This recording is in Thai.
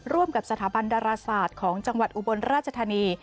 ร่วมกับสถาบันดาราศาสตร์ของจังหวัดอุบลราชธานี